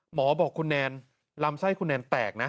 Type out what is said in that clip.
หมอบอกคุณแนนลำไส้คุณแนนแตกนะ